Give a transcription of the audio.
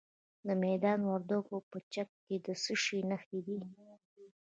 د میدان وردګو په چک کې د څه شي نښې دي؟